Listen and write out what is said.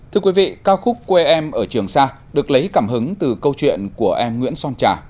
thưa quý vị ca khúc quê em ở trường sa được lấy cảm hứng từ câu chuyện của em nguyễn son trà